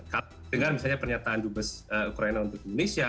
kalau mendengar pernyataan dubes ukraina untuk indonesia